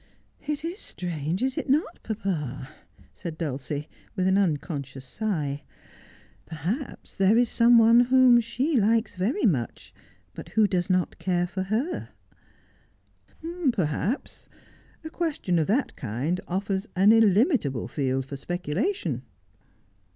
' It is strange, is it not, papa '(' said Dulcie, with an un conscious sigh. 'Perhaps there is some one whom she likes very much, but who does not care for her 1 '' Perhaps. A question of that kind offers an illimitable field for specrdation.'